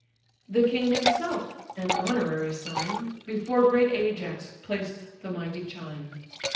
The king himself (an honorary sign) Before great Ajax placed the mighty chine.